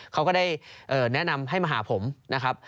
เขาก็ได้แนะนำให้มาหาผมนะครับ